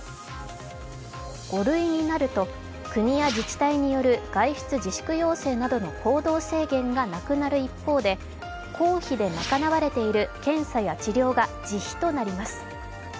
５類になると国や自治体による外出自粛要請などの行動制限がなくなる一方で公費で賄われている検査や治療が自費となります。